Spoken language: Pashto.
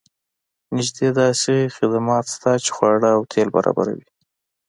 نږدې داسې خدمات شته چې خواړه او تیل برابروي